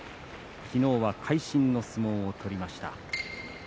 昨日は会心の相撲を取りました。